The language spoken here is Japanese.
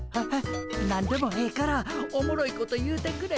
何でもええからおもろいこと言うてくれへん？